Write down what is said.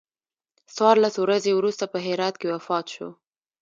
څوارلس ورځې وروسته په هرات کې وفات شو.